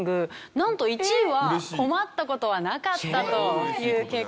なんと１位は困った事はなかったという結果だったんですが。